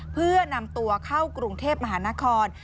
เพื่อนำตัวเข้ากรุงเทพมหานคร